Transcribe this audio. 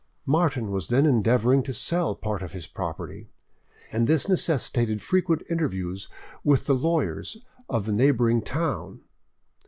Martin was then endeavoring to sell a part of his property, and this necessitated frequent interviews with the lawyers of the neighbouring town.